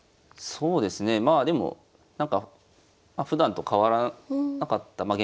そうですねまあでもなんかふだんと変わらなかった。